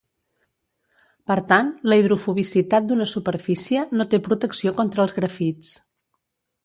Per tant, la hidrofobicitat d'una superfície no té protecció contra els grafits.